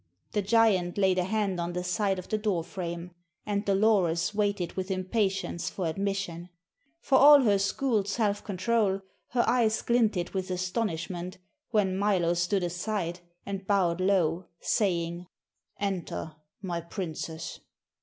The giant laid a hand on the side of the door frame, and Dolores waited with impatience for admission. For all her schooled self control her eyes glinted with astonishment when Milo stood aside and bowed low, saying: "Enter, my princess!"